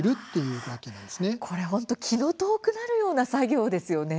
うわあ、これ本当気の遠くなるような作業ですよね。